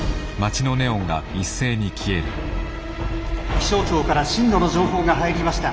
「気象庁から震度の情報が入りました。